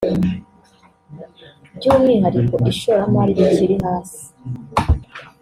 by’umwihariko ishoramari rikiri hasi